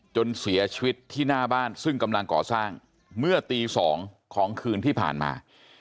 จนเสียชีวิตที่หน้าบ้านซึ่งกำลังก่อสร้างเมื่อตี๒ของคืนที่ผ่านมา